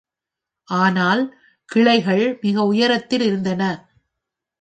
ஆனால், கிளைகள் மிக உயரத்தில் இருந்தன.